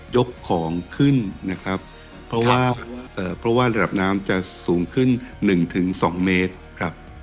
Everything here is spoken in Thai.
ยกของขึ้นนะครับเพราะว่าระดับน้ำจะสูงขึ้น๑๒เมตรครับ